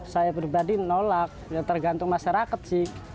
saya pribadi nolak ya tergantung masyarakat sih